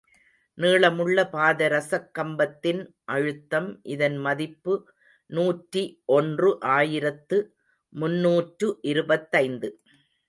நீளமுள்ள பாதரசக் கம்பத்தின் அழுத்தம், இதன் மதிப்பு நூற்றி ஒன்று ஆயிரத்து முன்னூற்று இருபத்தைந்து.